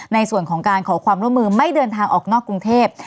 ในส่วนของการขอความร่วมมือไม่เดินทางออกนอกกรุงเทพ